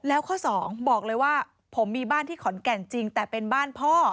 แล้วข้อสองบอกเลยว่าผมมีบ้านที่ขอนแก่นจริงแต่เป็นบ้านพ่อ